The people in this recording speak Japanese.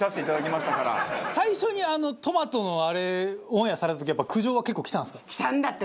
最初にあのトマトのあれオンエアされた時やっぱ苦情は結構きたんですか？